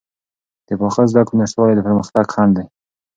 د پاخه زده کړو نشتوالی د پرمختګ خنډ دی.